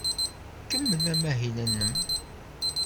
Kemmel amahil-nnem.